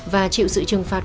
và chịu sự trừng phạt